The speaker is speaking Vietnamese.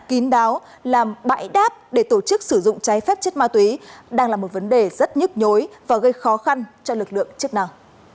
kín đáo làm bãi đáp để tổ chức sử dụng cháy phép chất ma túy đang là một vấn đề rất nhức nhối và gây khó khăn cho lực lượng chức năng